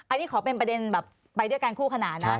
อันนี้ขอเป็นประเด็นแบบไปด้วยกันคู่ขนาดนะ